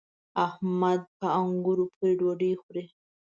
احمد په انګورو پورې ډوډۍ خوري.